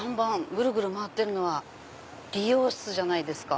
ぐるぐる回ってるのは理容室じゃないですか。